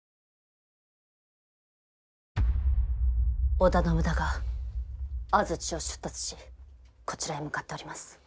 織田信長安土を出立しこちらへ向かっております。